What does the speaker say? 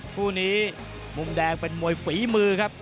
คู่นี้มุมแดงเป็นมวยฝีมือครับ